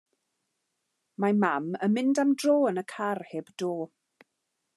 Mae mam yn mynd am dro yn y car heb do.